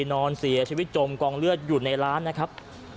นอนเสียชีวิตจมกองเลือดอยู่ในร้านนะครับ